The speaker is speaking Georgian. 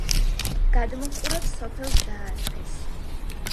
გადმოჰყურებს სოფელ ზაას-ფეეს.